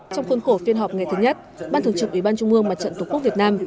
trong khuôn khổ phiên họp ngày thứ nhất ban thường trực ủy ban trung mương mặt trận tổ quốc việt nam